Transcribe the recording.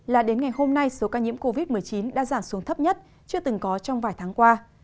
là đến ngày hôm nay số ca nhiễm covid một mươi chín đã giảm xuống thấp nhất chưa từng có trong vài tháng qua